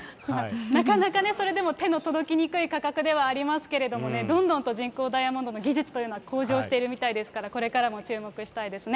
なかなかそれでも手の届きにくい価格ではありますけれどもね、どんどんと人工ダイヤモンドの技術というのは向上しているみたいですから、これからも注目したいですね。